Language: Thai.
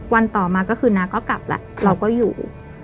ต่อมาก็คือน้าก็กลับแล้วเราก็อยู่